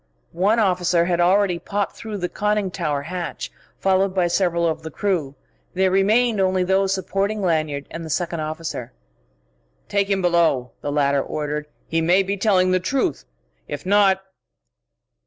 One officer had already popped through the conning tower hatch, followed by several of the crew. There remained only those supporting Lanyard, and the second officer. "Take him below!" the latter ordered. "He may be telling the truth. If not...."